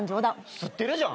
吸ってるじゃん。